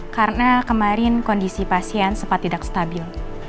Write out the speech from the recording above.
karena kemarin kondisi pasien sempat tidak stabil